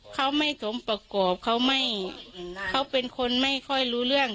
เขาไม่สมประกอบเขาไม่เขาเป็นคนไม่ค่อยรู้เรื่อง